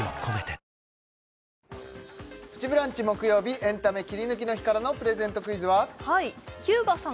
エンタメキリヌキの日からのプレゼントクイズは？